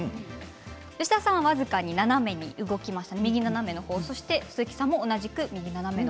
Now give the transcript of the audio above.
吉田さんは僅かに斜めに動きました。